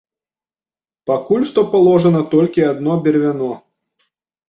Пакуль што паложана толькі адно бервяно.